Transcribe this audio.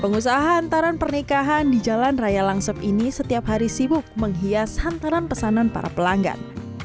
pengusaha hantaran pernikahan di jalan raya langsep ini setiap hari sibuk menghias hantaran pesanan para pelanggan